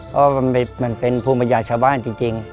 เพราะมันเป็นภูมิปัญญาชาวบ้านจริง